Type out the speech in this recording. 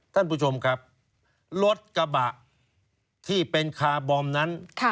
ท่านผู้ชมครับรถกระบะที่เป็นคาร์บอมนั้น